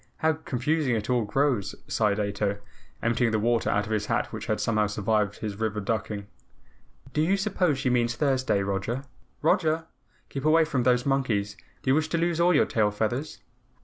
How confusing it all grows," sighed Ato, emptying the water out of his hat which had somehow survived his river ducking. "Do you suppose she means Thursday? Roger! ROGER! Keep away from those monkeys. Do you wish to lose all your tail feathers?"